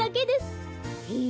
へえ。